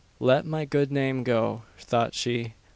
"Let my good name go!" thought she.